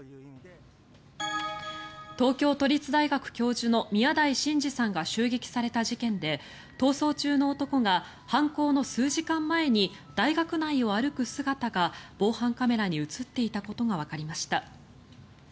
東京都立大学教授の宮台真司さんが襲撃された事件で逃走中の男が犯行の数時間前に大学内を歩く姿が防犯カメラに映っていたことがわかりました。